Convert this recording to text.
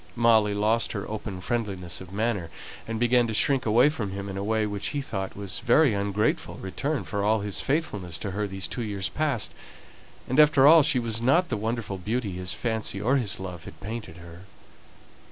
Molly lost her open friendliness of manner, and began to shrink away from him in a way which he thought was a very ungrateful return for all his faithfulness to her these two years past; and after all she was not the wonderful beauty his fancy or his love had painted her.